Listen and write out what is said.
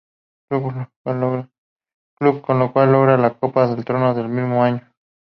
Club con el cual logra, la Copa del Trono la mismo año.